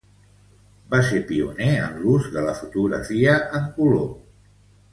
Va ser pioner en l'ús de la fotografia en color.